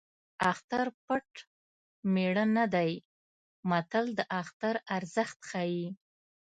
اختر پټ مېړه نه دی متل د اختر ارزښت ښيي